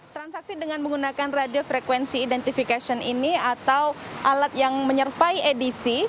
transaksi dengan menggunakan radiofrequency identification ini atau alat yang menyerpai edc